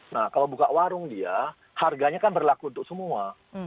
nah kalau buka warung dia harganya kan berlaku untuk semua